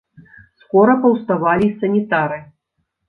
Скора паўставалі і санітары.